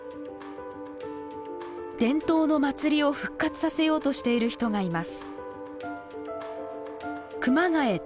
伝統の祭りを復活させようとしている人がいます。